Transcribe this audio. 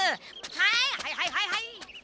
はいはいはいはいはい！